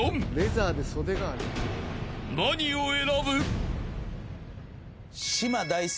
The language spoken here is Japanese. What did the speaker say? ［何を選ぶ？］